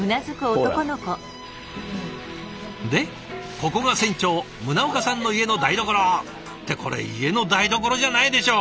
でここが船長宗岡さんの家の台所。ってこれ家の台所じゃないでしょ。